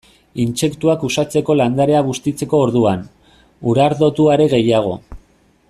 Intsektuak uxatzeko landarea bustitzeko orduan, urardotu are gehiago.